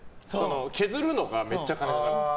削るのがめっちゃ金かかるって。